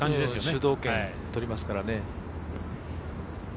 主導権取りますからね。